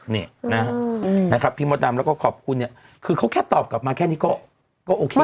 นี่นะครับพี่มดดำแล้วก็ขอบคุณเนี่ยคือเขาแค่ตอบกลับมาแค่นี้ก็โอเค